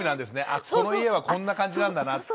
あっこの家はこんな感じなんだなって。